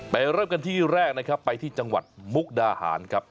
เริ่มกันที่แรกนะครับไปที่จังหวัดมุกดาหารครับ